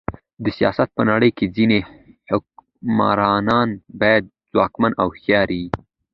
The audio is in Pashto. د سیاست په نړۍ کښي ځيني حکمرانان باید ځواکمن او هوښیار يي.